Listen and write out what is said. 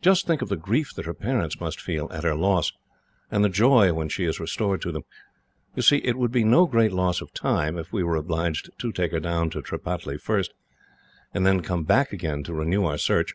Just think of the grief that her parents must feel, at her loss, and the joy when she is restored to them. You see, it would be no great loss of time, if we were obliged to take her down to Tripataly first, and then come back again to renew our search.